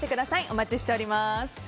お待ちしております。